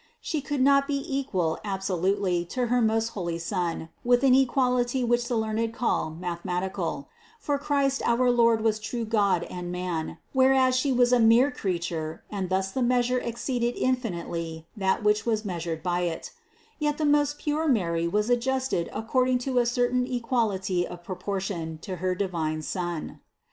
She could not be equal absolutely to her most holy Son with an equality which the learned call mathematical; for Christ our Lord was true God and man, whereas She was a mere creature and thus the measure exceeded infinitely that which was measured by it ; yet the most pure Mary was adjusted according to a certain equality of proportion to her divine Son.